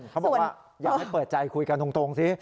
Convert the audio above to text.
เขาบอกว่าอยากให้เปิดใจคุยกันตรงซิ